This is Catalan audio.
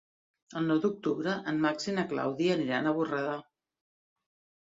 El nou d'octubre en Max i na Clàudia aniran a Borredà.